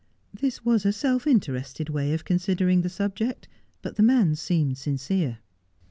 This was a self interested way of considering the subject, but the man seemed sincere.